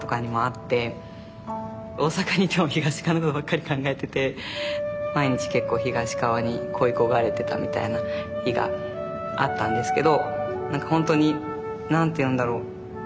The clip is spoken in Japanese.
大阪にいても東川のことばっかり考えてて毎日結構東川に恋い焦がれてたみたいな日があったんですけど何かほんとに何て言うんだろう。